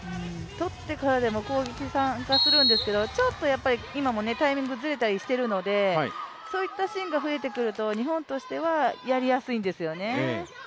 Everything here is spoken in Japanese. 取ってからでも攻撃参加するんですけどちょっと今もタイミングがずれたりしているのでそうしたシーンが増えてくると日本としては、やりやすいんですよね。